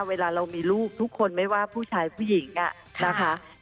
เวลาเรามีลูกทุกคนไม่ว่าผู้ชายผู้หญิงนะคะ